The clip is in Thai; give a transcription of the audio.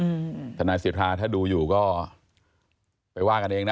เรื่องอ่าธนายสิทธาถ้าดูอยู่ก็ไปว่ากันเองนะ